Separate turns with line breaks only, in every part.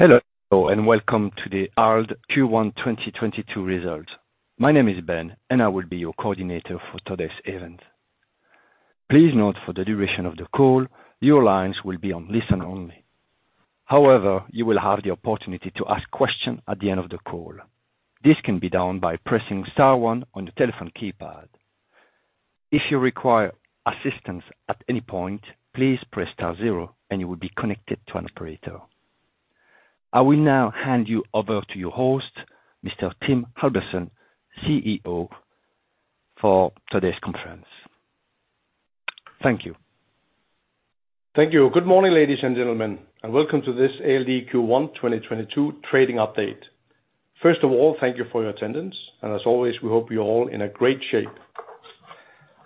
Hello, and welcome to the ALD Q1 2022 results. My name is Ben, and I will be your coordinator for today's event. Please note for the duration of the call, your lines will be on listen only. However, you will have the opportunity to ask questions at the end of the call. This can be done by pressing star one on your telephone keypad. If you require assistance at any point, please press star zero, and you will be connected to an operator. I will now hand you over to your host, Mr. Tim Albertsen, CEO, for today's conference. Thank you.
Thank you. Good morning, ladies and gentlemen, and welcome to this ALD Q1 2022 trading update. First of all, thank you for your attendance, and as always, we hope you're all in a great shape.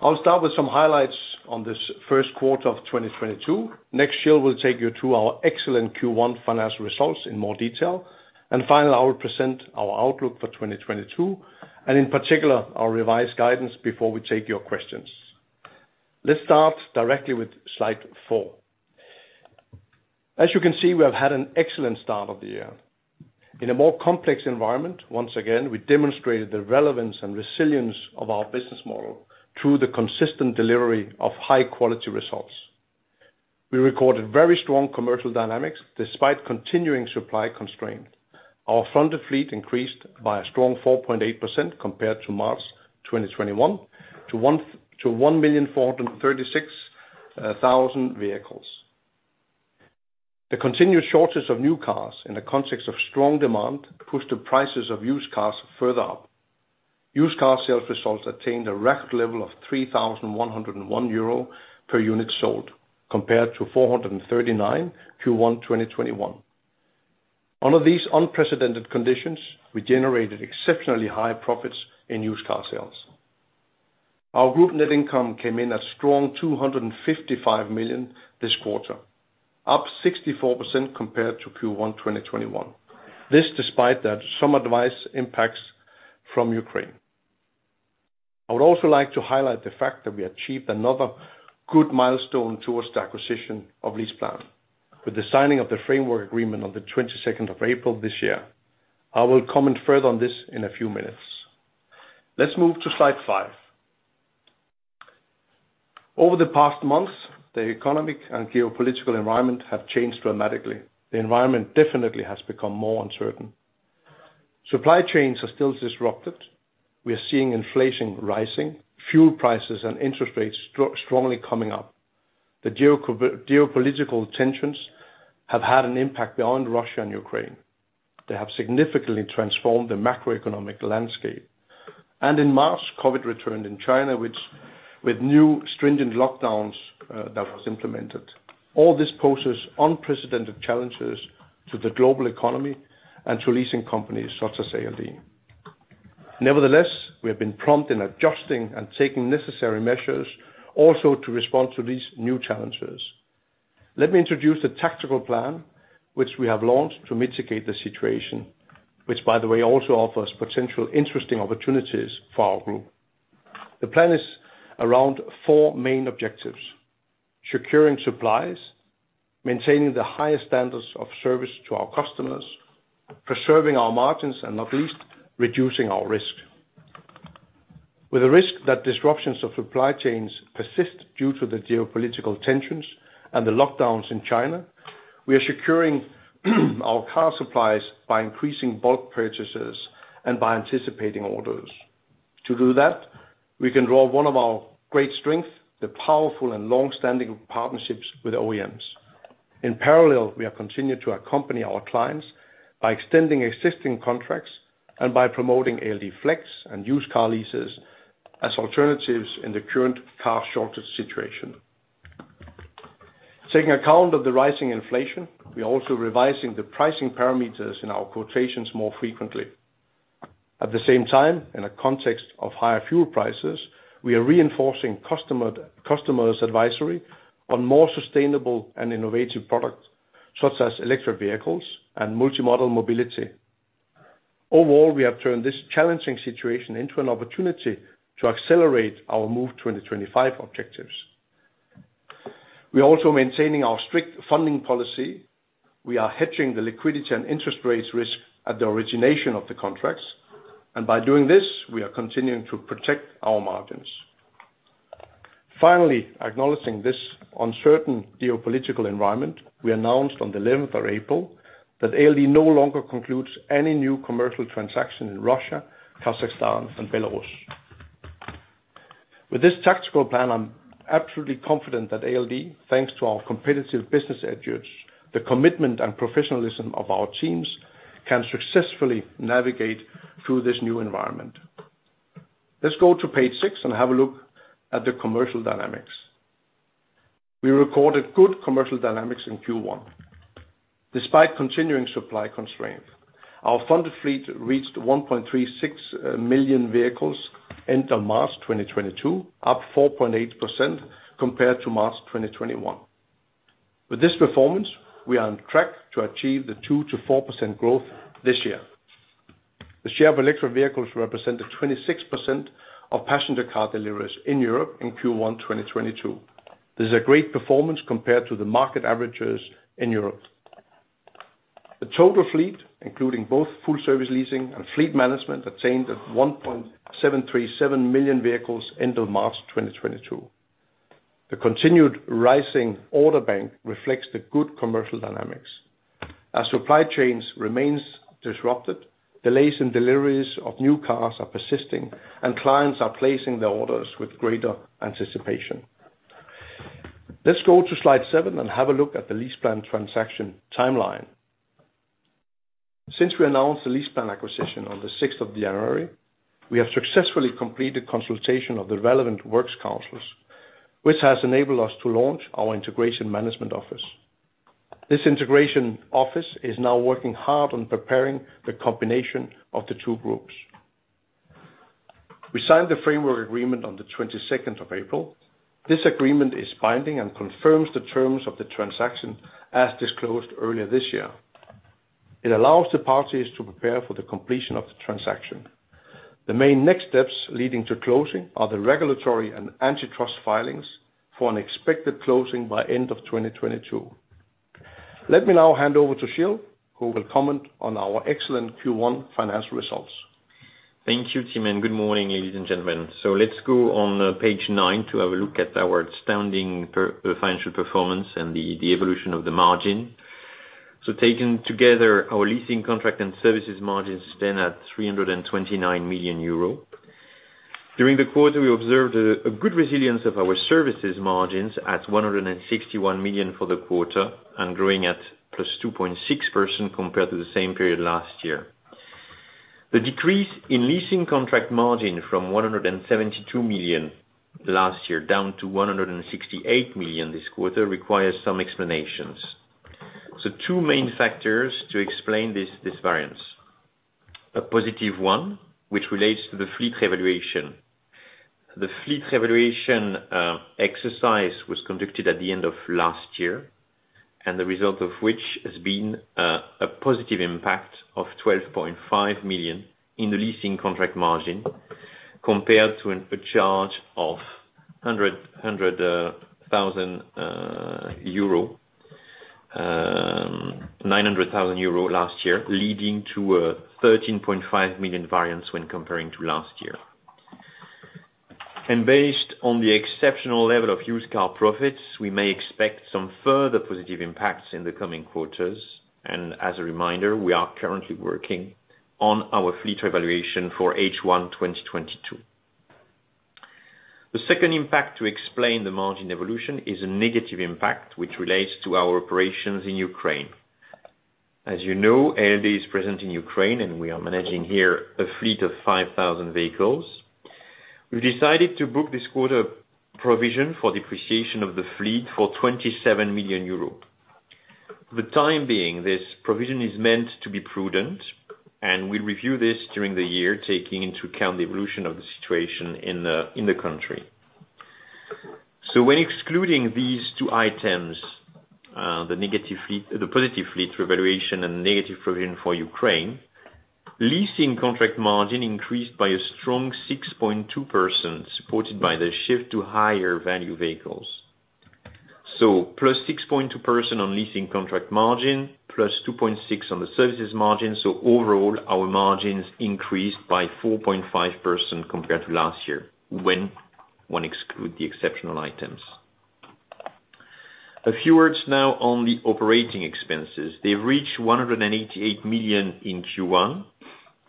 I'll start with some highlights on this first quarter of 2022. Next, Gilles will take you through our excellent Q1 financial results in more detail. Finally, I will present our outlook for 2022, and in particular, our revised guidance before we take your questions. Let's start directly with slide 4. As you can see, we have had an excellent start of the year. In a more complex environment, once again, we demonstrated the relevance and resilience of our business model through the consistent delivery of high-quality results. We recorded very strong commercial dynamics despite continuing supply constraints. Our funded fleet increased by a strong 4.8% compared to March 2021 to 1,436,000 vehicles. The continued shortage of new cars in the context of strong demand pushed the prices of used cars further up. Used car sales results attained a record level of 3,101 euro per unit sold, compared to 439 Q1 2021. Under these unprecedented conditions, we generated exceptionally high profits in used car sales. Our group net income came in at strong 255 million this quarter, up 64% compared to Q1 2021. This despite that some adverse impacts from Ukraine. I would also like to highlight the fact that we achieved another good milestone towards the acquisition of LeasePlan with the signing of the framework agreement on the twenty-second of April this year. I will comment further on this in a few minutes. Let's move to slide five. Over the past months, the economic and geopolitical environment have changed dramatically. The environment definitely has become more uncertain. Supply chains are still disrupted. We are seeing inflation rising, fuel prices and interest rates strongly coming up. The geopolitical tensions have had an impact beyond Russia and Ukraine. They have significantly transformed the macroeconomic landscape. In March, COVID returned in China, which with new stringent lockdowns, that was implemented. All this poses unprecedented challenges to the global economy and to leasing companies such as ALD. Nevertheless, we have been prompt in adjusting and taking necessary measures also to respond to these new challenges. Let me introduce the tactical plan which we have launched to mitigate the situation, which, by the way, also offers potential interesting opportunities for our group. The plan is around four main objectives, securing supplies, maintaining the highest standards of service to our customers, preserving our margins, and not least, reducing our risk. With the risk that disruptions of supply chains persist due to the geopolitical tensions and the lockdowns in China, we are securing our car supplies by increasing bulk purchases and by anticipating orders. To do that, we can draw one of our great strengths, the powerful and long-standing partnerships with OEMs. In parallel, we have continued to accompany our clients by extending existing contracts and by promoting ALD Flex and used car leases as alternatives in the current car shortage situation. Taking account of the rising inflation, we are also revising the pricing parameters in our quotations more frequently. At the same time, in a context of higher fuel prices, we are reinforcing customers' advisory on more sustainable and innovative products, such as electric vehicles and multi-modal mobility. Overall, we have turned this challenging situation into an opportunity to accelerate our Move 2025 objectives. We are also maintaining our strict funding policy. We are hedging the liquidity and interest rates risk at the origination of the contracts, and by doing this, we are continuing to protect our margins. Finally, acknowledging this uncertain geopolitical environment, we announced on the eleventh of April that ALD no longer concludes any new commercial transaction in Russia, Kazakhstan, and Belarus. With this tactical plan, I'm absolutely confident that ALD, thanks to our competitive business edge, the commitment and professionalism of our teams, can successfully navigate through this new environment. Let's go to page six and have a look at the commercial dynamics. We recorded good commercial dynamics in Q1. Despite continuing supply constraints, our funded fleet reached 1.36 million vehicles end of March 2022, up 4.8% compared to March 2021. With this performance, we are on track to achieve the 2%-4% growth this year. The share of electric vehicles represented 26% of passenger car deliveries in Europe in Q1 2022. This is a great performance compared to the market averages in Europe. The total fleet, including both full service leasing and fleet management, attained at 1.737 million vehicles end of March 2022. The continued rising order book reflects the good commercial dynamics. As supply chains remains disrupted, delays in deliveries of new cars are persisting and clients are placing their orders with greater anticipation. Let's go to slide 7 and have a look at the LeasePlan transaction timeline. Since we announced the LeasePlan acquisition on the sixth of January, we have successfully completed consultation of the relevant works councils, which has enabled us to launch our integration management office. This integration office is now working hard on preparing the combination of the two groups. We signed the framework agreement on the twenty-second of April. This agreement is binding and confirms the terms of the transaction as disclosed earlier this year. It allows the parties to prepare for the completion of the transaction. The main next steps leading to closing are the regulatory and antitrust filings for an expected closing by end of 2022. Let me now hand over to Gilles, who will comment on our excellent Q1 financial results.
Thank you, Tim, and good morning, ladies and gentlemen. Let's go on, page nine to have a look at our astounding financial performance and the evolution of the margin. Taken together, our leasing contract and services margins stand at 329 million euro. During the quarter, we observed a good resilience of our services margins at 161 million for the quarter and growing at +2.6% compared to the same period last year. The decrease in leasing contract margin from 172 million last year down to 168 million this quarter requires some explanations. Two main factors to explain this variance. A positive one, which relates to the fleet revaluation. The fleet revaluation exercise was conducted at the end of last year, and the result of which has been a positive impact of 12.5 million in the leasing contract margin, compared to a charge of 900,000 euro last year, leading to a 13.5 million variance when comparing to last year. Based on the exceptional level of used car profits, we may expect some further positive impacts in the coming quarters. As a reminder, we are currently working on our fleet revaluation for H1 2022. The second impact to explain the margin evolution is a negative impact which relates to our operations in Ukraine. As you know, ALD is present in Ukraine, and we are managing here a fleet of 5,000 vehicles. We've decided to book this quarter provision for depreciation of the fleet for 27 million euros. For the time being, this provision is meant to be prudent, and we'll review this during the year, taking into account the evolution of the situation in the country. When excluding these two items, the positive fleet revaluation and negative provision for Ukraine, leasing contract margin increased by a strong 6.2%, supported by the shift to higher value vehicles. Plus 6.2% on leasing contract margin, plus 2.6% on the services margin. Overall, our margins increased by 4.5% compared to last year when we exclude the exceptional items. A few words now on the operating expenses. They've reached 188 million in Q1,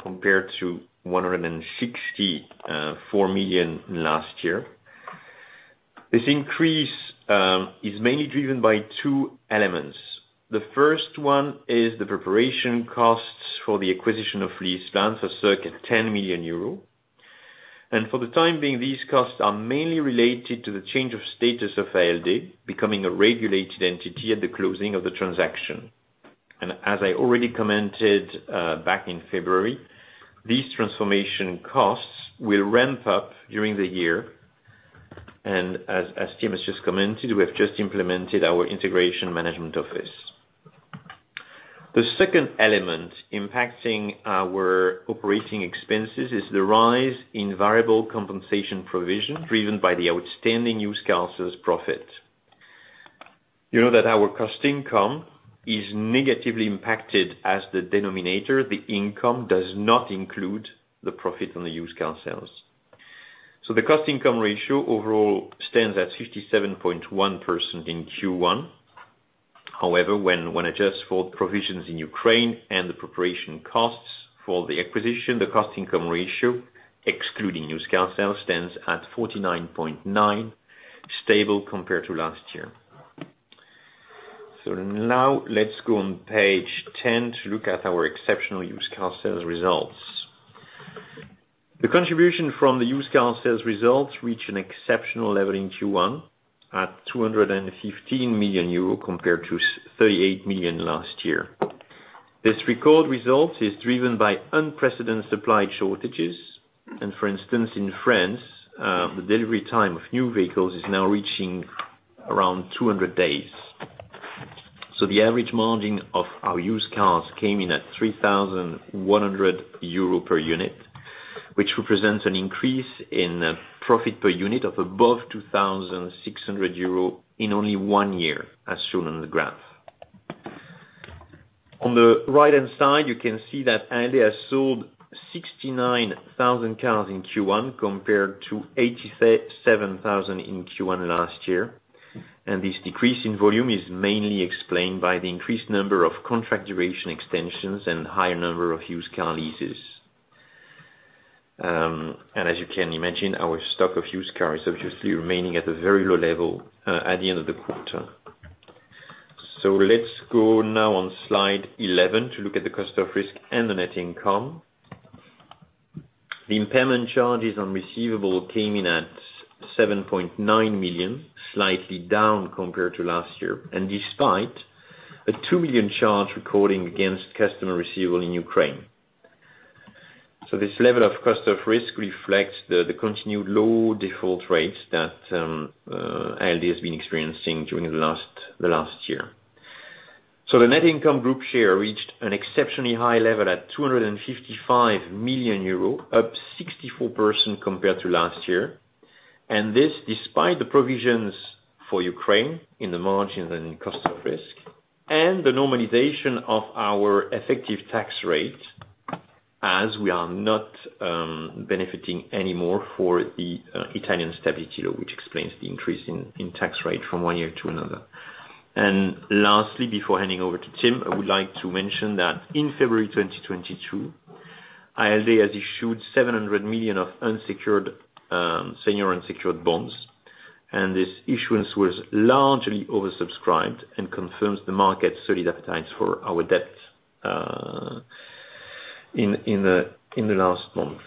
compared to 164 million last year. This increase is mainly driven by two elements. The first one is the preparation costs for the acquisition of LeasePlan, so circa 10 million euro. For the time being, these costs are mainly related to the change of status of ALD becoming a regulated entity at the closing of the transaction. As I already commented back in February, these transformation costs will ramp up during the year. As Tim has just commented, we have just implemented our integration management office. The second element impacting our operating expenses is the rise in variable compensation provision driven by the outstanding used car sales profit. You know that our cost income is negatively impacted as the denominator. The income does not include the profit on the used car sales. The cost income ratio overall stands at 57.1% in Q1. However, when one adjusts for provisions in Ukraine and the preparation costs for the acquisition, the cost income ratio, excluding used car sales, stands at 49.9%, stable compared to last year. Now let's go on page 10 to look at our exceptional used car sales results. The contribution from the used car sales results reach an exceptional level in Q1 at 215 million euro compared to 38 million last year. This record result is driven by unprecedented supply shortages, and for instance, in France, the delivery time of new vehicles is now reaching around 200 days. The average margin of our used cars came in at 3,100 euros per unit, which represents an increase in profit per unit of above 2,600 euros in only one year, as shown on the graph. On the right-hand side, you can see that ALD has sold 69,000 cars in Q1 compared to 87,000 in Q1 last year. This decrease in volume is mainly explained by the increased number of contract duration extensions and higher number of used car leases. As you can imagine, our stock of used cars obviously remaining at a very low level at the end of the quarter. Let's go now on slide 11 to look at the cost of risk and the net income. The impairment charges on receivables came in at 7.9 million, slightly down compared to last year. Despite a 2 million charge recording against customer receivables in Ukraine. This level of cost of risk reflects the continued low default rates that ALD has been experiencing during the last year. The net income group share reached an exceptionally high level at 255 million euro, up 64% compared to last year. This despite the provisions for Ukraine in the margins and in cost of risk and the normalization of our effective tax rate as we are not benefiting anymore from the Italian Stability Law, which explains the increase in tax rate from one year to another. Lastly before handing over to Tim, I would like to mention that in February 2022, ALD has issued 700 million of senior unsecured bonds, and this issuance was largely oversubscribed and confirms the market's solid appetite for our debt in the last month.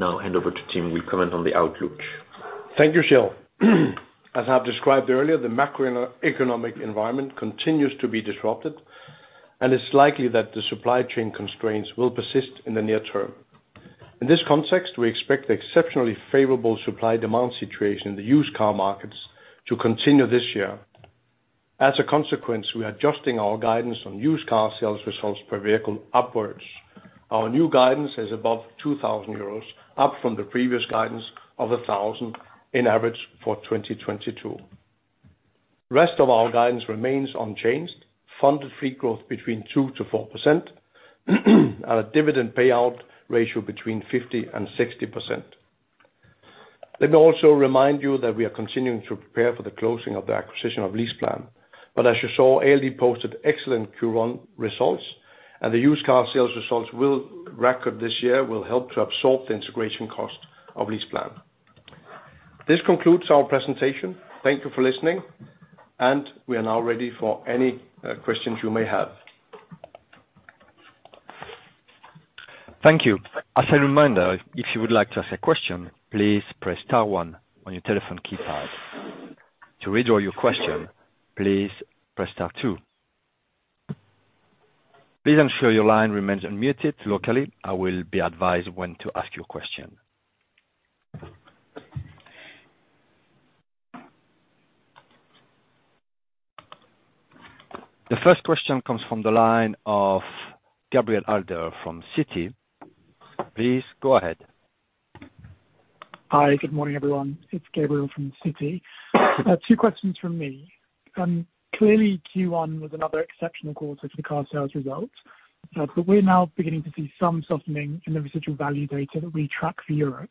Now hand over to Tim who will comment on the outlook.
Thank you, Gilles. As I described earlier, the macroeconomic environment continues to be disrupted, and it's likely that the supply chain constraints will persist in the near term. In this context, we expect the exceptionally favorable supply-demand situation in the used car markets to continue this year. As a consequence, we're adjusting our guidance on used car sales results per vehicle upwards. Our new guidance is above 2,000 euros, up from the previous guidance of 1,000 on average for 2022. Rest of our guidance remains unchanged. Funded fee growth between 2%-4%, and a dividend payout ratio between 50%-60%. Let me also remind you that we are continuing to prepare for the closing of the acquisition of LeasePlan. As you saw, ALD posted excellent Q1 results and the used car sales results we'll record this year will help to absorb the integration cost of LeasePlan. This concludes our presentation. Thank you for listening, and we are now ready for any questions you may have.
Thank you. As a reminder, if you would like to ask a question, please press star one on your telephone keypad. To withdraw your question, please press star two. Please ensure your line remains unmuted locally. I will be advised when to ask your question. The first question comes from the line of Gabriel Adler from Citi. Please go ahead.
Hi. Good morning, everyone. It's Gabriel from Citi. Two questions from me. Clearly Q1 was another exceptional quarter for the car sales result. But we're now beginning to see some softening in the residual value data that we track for Europe.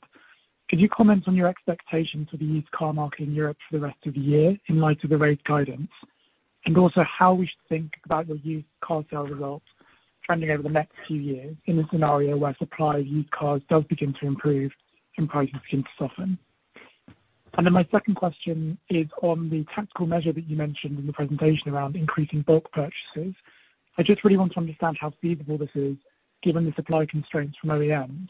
Could you comment on your expectation for the used car market in Europe for the rest of the year in light of the raised guidance? Also how we should think about the used car sales results trending over the next few years in a scenario where supply of used cars does begin to improve and prices begin to soften. My second question is on the tactical measure that you mentioned in the presentation around increasing bulk purchases. I just really want to understand how feasible this is given the supply constraints from OEMs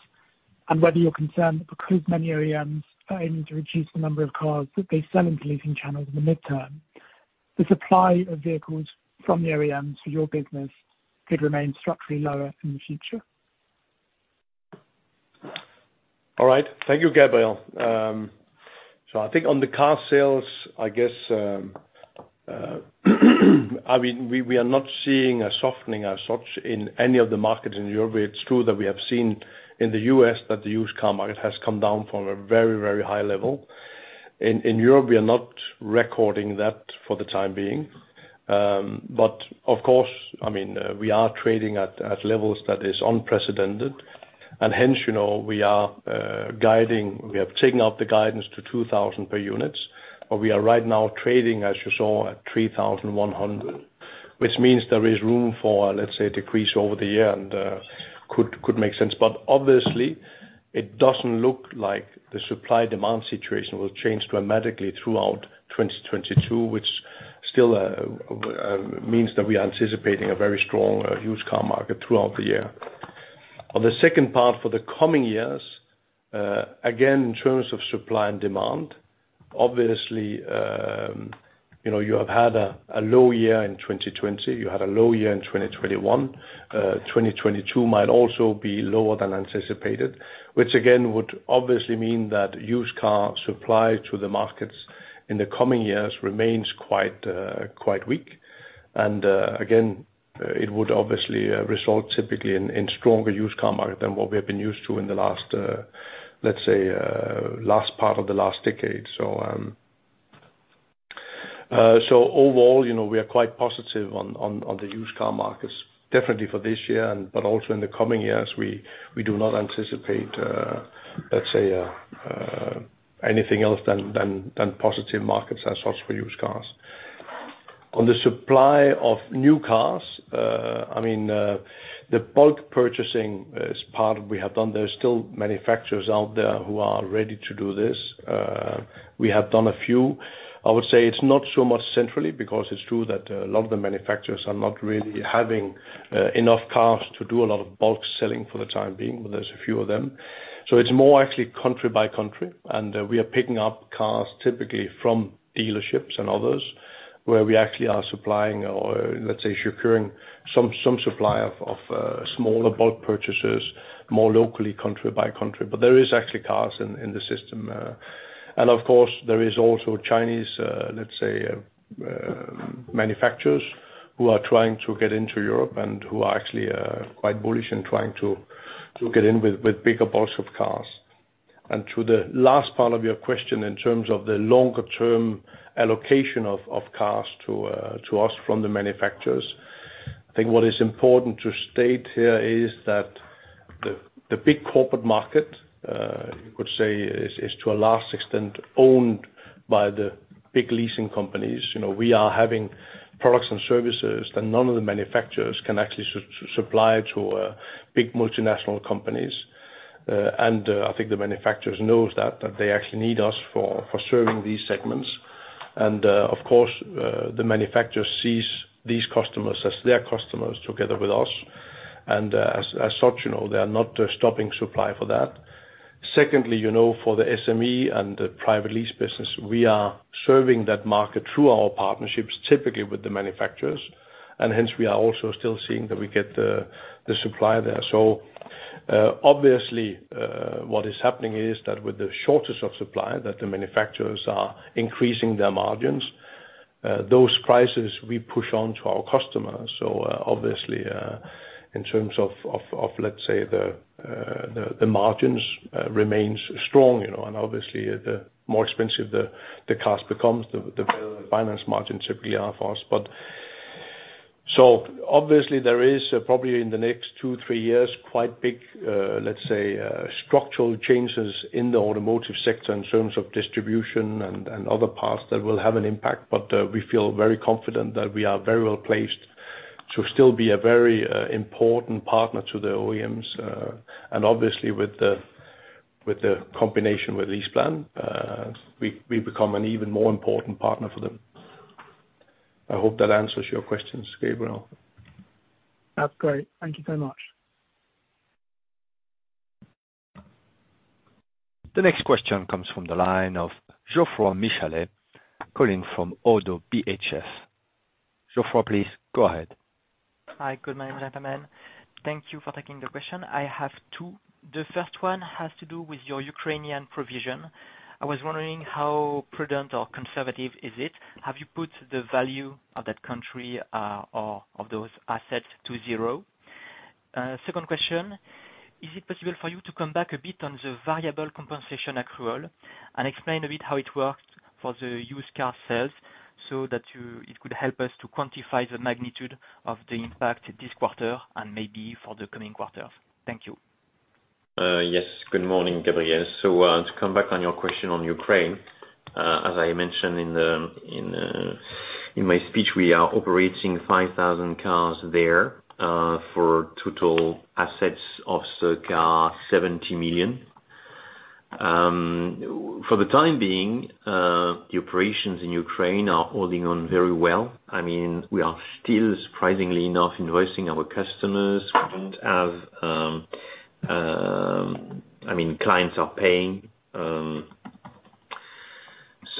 and whether you're concerned that because many OEMs are aiming to reduce the number of cars that they sell into leasing channels in the midterm, the supply of vehicles from the OEMs for your business could remain structurally lower in the future?
All right. Thank you, Gabriel. I think on the car sales, I guess, I mean, we are not seeing a softening as such in any of the markets in Europe. It's true that we have seen in the U.S. that the used car market has come down from a very, very high level. In Europe, we are not recording that for the time being. But of course, I mean, we are trading at levels that is unprecedented. Hence, you know, we are guiding, we have taken up the guidance to 2,000 per units, but we are right now trading, as you saw, at 3,100, which means there is room for, let's say, a decrease over the year and could make sense. Obviously, it doesn't look like the supply demand situation will change dramatically throughout 2022, which still means that we are anticipating a very strong used car market throughout the year. On the second part for the coming years, again, in terms of supply and demand, obviously, you know, you have had a low year in 2020, you had a low year in 2021. 2022 might also be lower than anticipated, which again would obviously mean that used car supply to the markets in the coming years remains quite weak. Again, it would obviously result typically in stronger used car market than what we have been used to in the last, let's say, last part of the last decade. Overall, you know, we are quite positive on the used car markets definitely for this year and but also in the coming years, we do not anticipate, let's say, anything else than positive markets of sorts for used cars. On the supply of new cars, I mean, the bulk purchasing as part we have done, there are still manufacturers out there who are ready to do this. We have done a few. I would say it's not so much centrally because it's true that a lot of the manufacturers are not really having enough cars to do a lot of bulk selling for the time being, but there's a few of them. It's more actually country by country, and we are picking up cars typically from dealerships and others where we actually are supplying or, let's say, securing some supply of smaller bulk purchases, more locally, country by country. There is actually cars in the system. Of course, there is also Chinese manufacturers who are trying to get into Europe and who are actually quite bullish in trying to get in with bigger bulk of cars. To the last part of your question, in terms of the longer term allocation of cars to us from the manufacturers. I think what is important to state here is that the big corporate market, you could say is to a large extent owned by the big leasing companies. You know, we are having products and services that none of the manufacturers can actually supply to big multinational companies. I think the manufacturers knows that they actually need us for serving these segments. Of course, the manufacturer sees these customers as their customers together with us. As such, you know, they are not stopping supply for that. Secondly, you know, for the SME and the private lease business, we are serving that market through our partnerships, typically with the manufacturers. Hence, we are also still seeing that we get the supply there. Obviously, what is happening is that with the shortage of supply, that the manufacturers are increasing their margins. Those prices we push on to our customers. Obviously, in terms of, let's say, the margins remains strong, you know, and obviously, the more expensive the cost becomes, the better the finance margins typically are for us. Obviously there is probably in the next two, three years, quite big, let's say, structural changes in the automotive sector in terms of distribution and other parts that will have an impact. We feel very confident that we are very well-placed to still be a very important partner to the OEMs, and obviously with the combination with LeasePlan, we become an even more important partner for them. I hope that answers your questions, Gabriel.
That's great. Thank you very much. The next question comes from the line of Geoffroy Michalet, calling from Oddo BHF. Geoffroy, please go ahead.
Hi. Good morning, gentlemen. Thank you for taking the question. I have two. The first one has to do with your Ukrainian provision. I was wondering how prudent or conservative is it? Have you put the value of that country or those assets to zero? Second question: Is it possible for you to come back a bit on the variable compensation accrual and explain a bit how it works for the used car sales? It could help us to quantify the magnitude of the impact this quarter and maybe for the coming quarters. Thank you.
Yes. Good morning, Gabriel. To come back on your question on Ukraine, as I mentioned in my speech, we are operating 5,000 cars there for total assets of circa 70 million. For the time being, the operations in Ukraine are holding on very well. I mean, we are still, surprisingly enough, invoicing our customers. We don't have. I mean, clients are paying.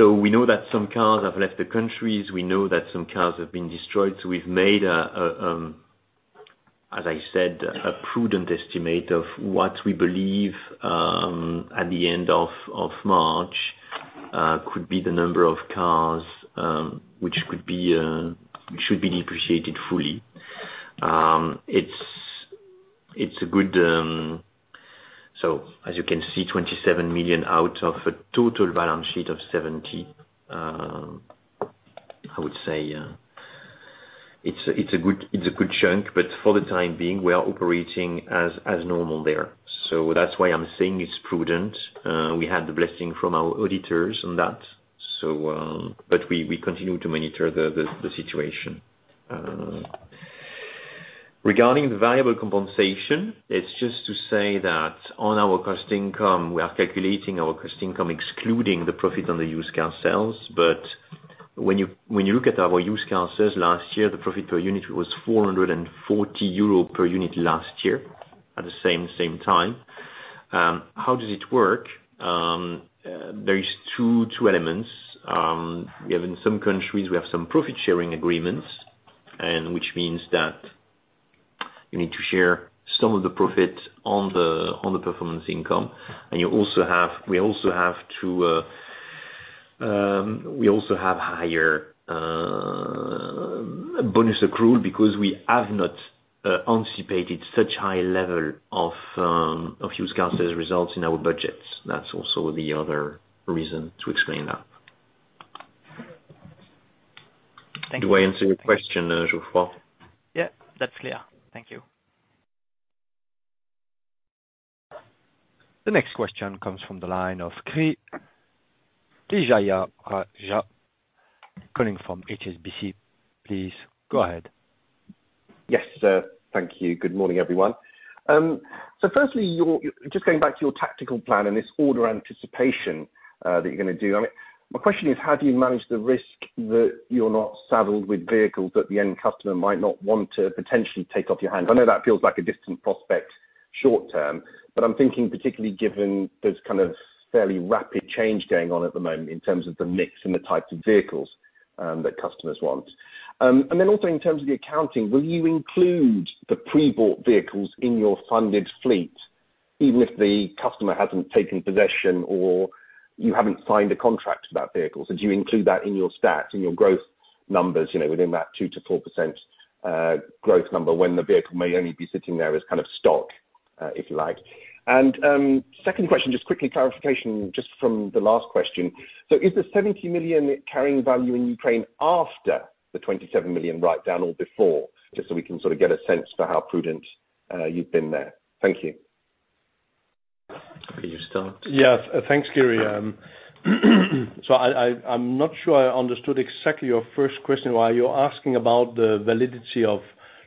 We know that some cars have left the countries. We know that some cars have been destroyed. We've made, as I said, a prudent estimate of what we believe at the end of March could be the number of cars which should be depreciated fully. It's a good.
As you can see, 27 million out of a total balance sheet of 70 billion, I would say, it's a good chunk, but for the time being, we are operating as normal there. That's why I'm saying it's prudent. We have the blessing from our auditors on that, so but we continue to monitor the situation. Regarding the variable compensation, it's just to say that on our cost income ratio, we are calculating our cost income ratio excluding the profit on the used car sales. When you look at our used car sales last year, the profit per unit was 440 euro per unit last year, at the same time. How does it work? There is two elements.
We have some profit-sharing agreements, and which means that. You need to share some of the profit on the performance income. We also have higher bonus accrual because we have not anticipated such high level of used car sales results in our budgets. That's also the other reason to explain that. Thank you. Do I answer your question, Geoffroy? Yeah, that's clear. Thank you.
The next question comes from the line of Kiri Vijayarajah, calling from HSBC. Please go ahead.
Yes, sir. Thank you. Good morning, everyone. Firstly, just going back to your tactical plan and this order anticipation, that you're gonna do. I mean, my question is, how do you manage the risk that you're not saddled with vehicles that the end customer might not want to potentially take off your hands? I know that feels like a distant prospect short term, but I'm thinking particularly given there's kind of fairly rapid change going on at the moment in terms of the mix and the types of vehicles, that customers want. Also in terms of the accounting, will you include the pre-bought vehicles in your funded fleet, even if the customer hasn't taken possession or you haven't signed a contract for that vehicle? Do you include that in your stats, in your growth numbers, you know, within that 2%-4% growth number when the vehicle may only be sitting there as kind of stock, if you like. Second question, just quickly clarification just from the last question. Is the 70 million carrying value in Ukraine after the 27 million write down or before? Just so we can sort of get a sense for how prudent you've been there? Thank you.
Can you start?
Yes. Thanks, Kiri. I'm not sure I understood exactly your first question. Are you asking about the validity of,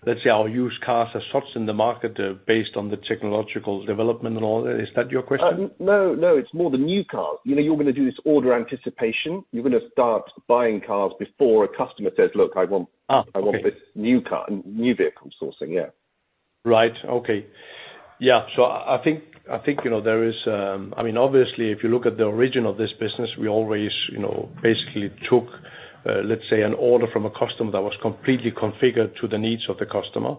let's say, our used cars as such in the market, based on the technological development and all that? Is that your question?
No, no, it's more the new cars. You know, you're gonna do this order anticipation. You're gonna start buying cars before a customer says, "Look, I want
Okay.
I want this new car." New vehicle sourcing, yeah.
Right. Okay. Yeah. I think, you know, there is, I mean, obviously, if you look at the origin of this business, we always, you know, basically took, let's say, an order from a customer that was completely configured to the needs of the customer.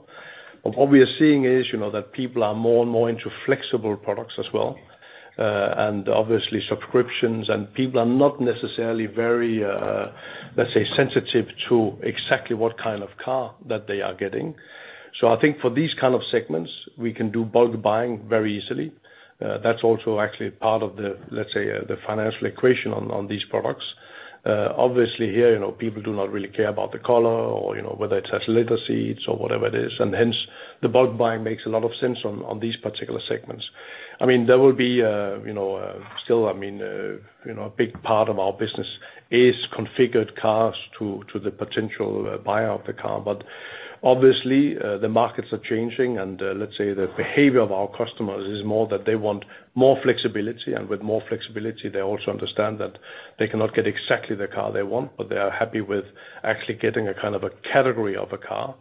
What we are seeing is, you know, that people are more and more into flexible products as well, and obviously subscriptions. People are not necessarily very, let's say, sensitive to exactly what kind of car that they are getting. I think for these kind of segments, we can do bulk buying very easily. That's also actually part of the, let's say, the financial equation on these products. Obviously here, you know, people do not really care about the color or, you know, whether it has leather seats or whatever it is. Hence, the bulk buying makes a lot of sense on these particular segments. I mean, there will be, you know, still, I mean, you know, a big part of our business is configured cars to the potential buyer of the car. But obviously, the markets are changing and, let's say the behavior of our customers is more that they want more flexibility. With more flexibility, they also understand that they cannot get exactly the car they want, but they are happy with actually getting a kind of a category of a car.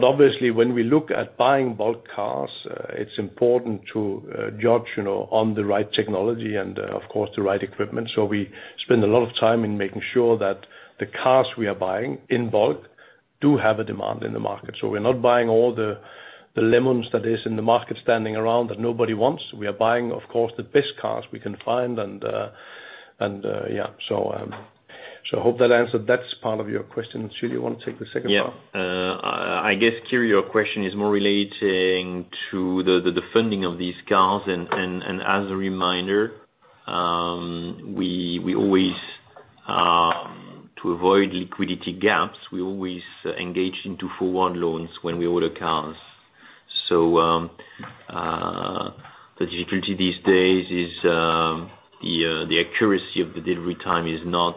Obviously, when we look at buying bulk cars, it's important to judge, you know, on the right technology and, of course, the right equipment. We spend a lot of time in making sure that the cars we are buying in bulk do have a demand in the market. We're not buying all the lemons that is in the market standing around that nobody wants. We are buying, of course, the best cars we can find and yeah. Hope that answered that part of your question. Gilles, you wanna take the second part?
Yeah. I guess, Kiri, your question is more relating to the funding of these cars. As a reminder, to avoid liquidity gaps, we always engage into forward loans when we order cars. The difficulty these days is the accuracy of the delivery time is not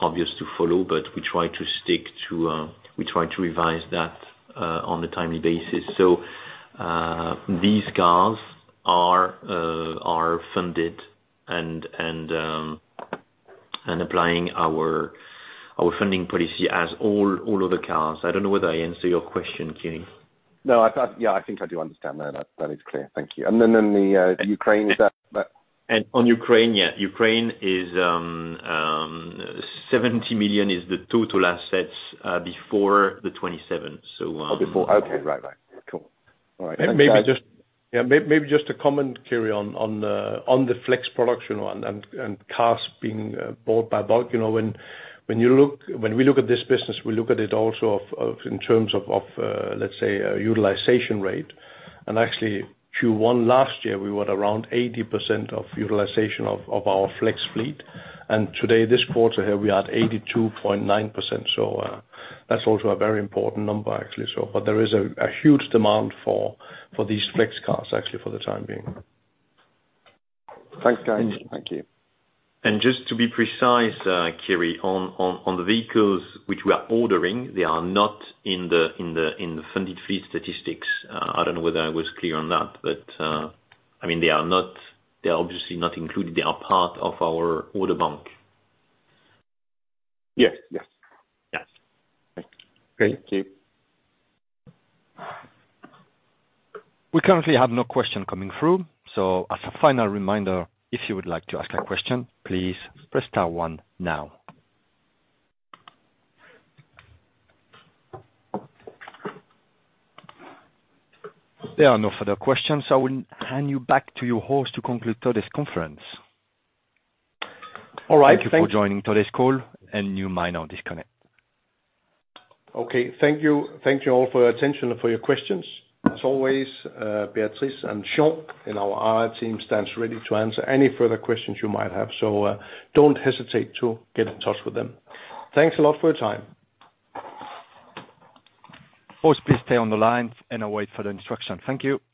obvious to follow, but we try to revise that on a timely basis. These cars are funded and applying our funding policy as all other cars. I don't know whether I answer your question, Kiri.
No, yeah, I think I do understand. No, no, that is clear. Thank you. Then the Ukraine, is that
On Ukraine, yeah. Ukraine is 70 million is the total assets before the 2027.
Okay. Right. Cool. All right.
Maybe just a comment, Kiri, on the flex production one and cars being bought by bulk. You know, when we look at this business, we look at it also in terms of, let's say a utilization rate. Actually, Q1 last year, we were around 80% utilization of our flex fleet. Today, this quarter here, we are at 82.9%. That's also a very important number, actually. But there is a huge demand for these flex cars, actually, for the time being.
Thanks, guys. Thank you.
Just to be precise, Kiri, on the vehicles which we are ordering, they are not in the funded fleet statistics. I don't know whether I was clear on that, but I mean, they are obviously not included. They are part of our order bank.
Yes. Yes.
Yes.
Thank you.
We currently have no question coming through. As a final reminder, if you would like to ask a question, please press star one now. There are no further questions, so I will hand you back to your host to conclude today's conference.
All right.
Thank you for joining today's call, and you may now disconnect.
Okay. Thank you. Thank you all for your attention and for your questions. As always, Beatrice and Sean in our IR team stands ready to answer any further questions you might have. Don't hesitate to get in touch with them. Thanks a lot for your time.
Please stay on the line and await further instruction. Thank you.